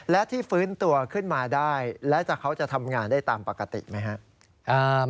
และที่ฟื้นตัวขึ้นมาได้และเขาจะทำงานได้ตามปกติไหมครับ